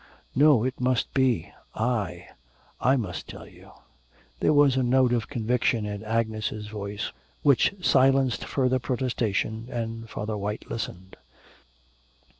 No, it must be I. I must tell you.' There was a note of conviction in Agnes' voice which silenced further protestation, and Father White listened.